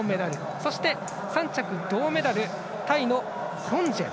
そして３着銅メダル、タイのコンジェン。